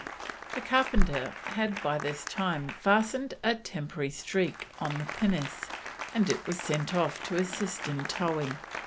The carpenter had by this time fastened a temporary streak on the pinnace, and it was sent off to assist in towing.